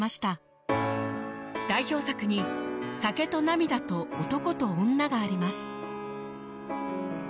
代表作に『酒と泪と男と女』があります